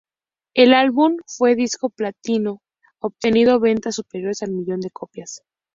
El álbum fue disco platino, obteniendo ventas superiores al millón de copias.